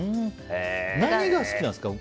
何が好きですか？